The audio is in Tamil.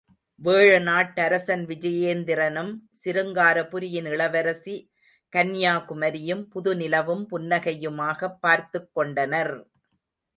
வேழநாட்டரசன் விஜயேந்திரனும் சிருங்காரபுரியின் இளவரசி கன்யாகுமரியும் புது நிலவும் புன்னகையுமாகப் பார்த்துக் கொண்டனர்!